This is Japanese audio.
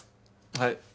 はい。